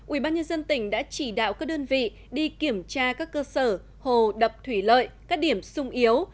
ubnd tỉnh đã chỉ đạo các đơn vị đi kiểm tra các cơ sở hồ đập thủy lợi các điểm sung yếu